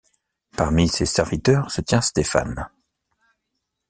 Parmi ses serviteurs, se tient Stéphane.